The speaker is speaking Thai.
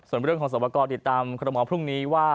ส่วนเรื่องของสวกรติดตามคอรมอลพรุ่งนี้ว่า